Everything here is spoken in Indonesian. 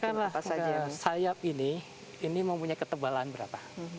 katakanlah sayap ini ini mempunyai ketebalan berapa